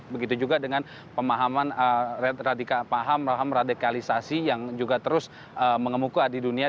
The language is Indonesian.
begitu juga dengan pemahaman paham radikalisasi yang juga terus mengemuka di dunia